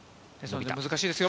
難しいですよ。